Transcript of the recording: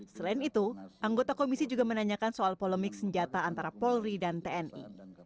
selain itu anggota komisi juga menanyakan soal polemik senjata antara polri dan tni